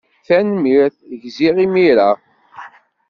Tanemmirt. Gziɣ imir-a.